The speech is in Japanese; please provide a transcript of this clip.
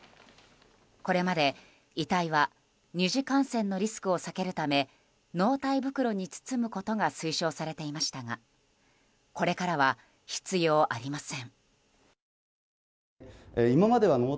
これまで、遺体は２次感染のリスクを避けるため納体袋に包むことが推奨されていましたがこれからは必要ありません。